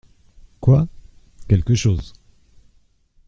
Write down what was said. Quoi ? Quelque chose.